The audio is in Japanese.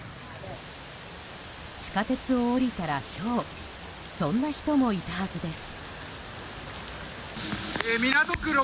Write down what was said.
地下鉄を降りたら、ひょうそんな人もいたはずです。